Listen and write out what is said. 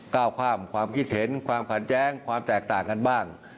ก้าวข้ามความคิดเห็นความขัดแย้งความแตกต่างกันบ้าง